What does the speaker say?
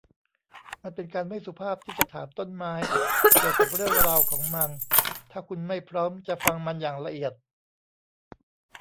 มันเป็นการไม่สุภาพที่จะถามต้นไม้เกี่ยวกับเรื่องราวของมัน ถ้าคุณไม่พร้อมจะฟังมันอย่างละเอียด